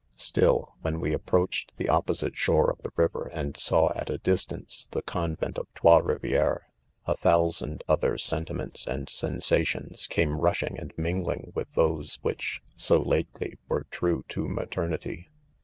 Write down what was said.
: Still, when we approached the' oppo site shore of the river, and. saw,' at a distance,, the Convent of Trots .Rivieres; a thousand oth er sentiments and sensations came rushing and mingling, with those which, so lately, were true to maternity.